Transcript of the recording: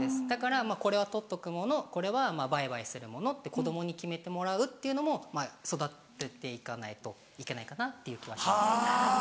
だからこれは取っとくものこれはバイバイするものって子供に決めてもらうっていうのも育てて行かないといけないかなっていう気はします。